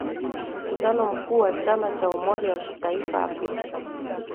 Mkutano mkuu wa chama cha umoja wa kitaifa Afrika